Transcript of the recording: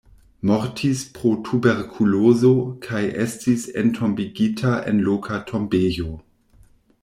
Mortis pro tuberkulozo kaj estis entombigita en loka tombejo.